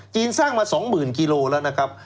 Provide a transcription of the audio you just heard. จีนสร้างมา๒๐๐๐๐กิโลเมตรแล้วนะครับ